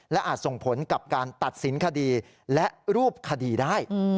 และอาจส่งผลกับการตัดสินคดีและรูปคดีได้